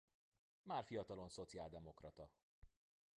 Már fiatalon szociáldemokrata.